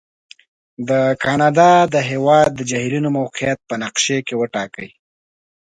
د کاناډا د هېواد د جهیلونو موقعیت په نقشې کې وټاکئ.